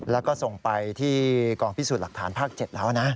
แล้วก็ส่งไปที่กองพิสูจน์หลักฐานภาค๗แล้วนะ